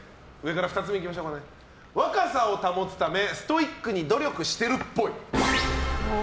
続いて、若さを保つためストイックに努力してるっぽい。